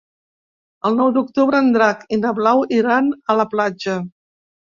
El nou d'octubre en Drac i na Blau iran a la platja.